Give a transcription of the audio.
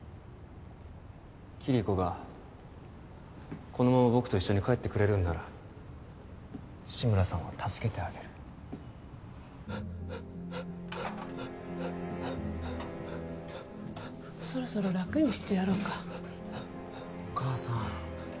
キリコがこのまま僕と一緒に帰ってくれるんなら志村さんを助けてあげるハッハッハッハッそろそろ楽にしてやろうかお母さん